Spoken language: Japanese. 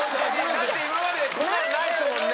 だって今までこんなのないですもんね。